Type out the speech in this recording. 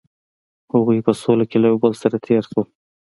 هغوی په سوله کې له یو بل تیر شول.